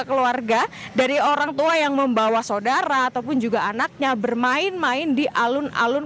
keluarga dari orang tua yang membawa saudara ataupun juga anaknya bermain main di alun alun